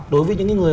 đối với những người